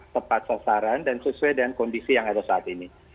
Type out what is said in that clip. tepat sasaran dan sesuai dengan kondisi yang ada saat ini